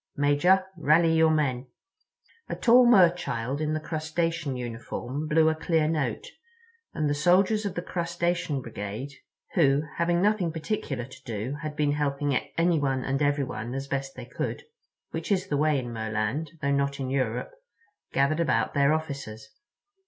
Major, rally your men." A tall Merchild in the Crustacean uniform blew a clear note, and the soldiers of the Crustacean Brigade, who having nothing particular to do had been helping anyone and everyone as best they could, which is the way in Merland, though not in Europe, gathered about their officers.